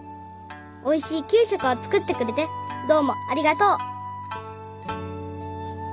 おいしいきゅうしょくをつくってくれてどうもありがとう」。